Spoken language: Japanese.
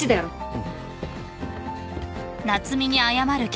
うん。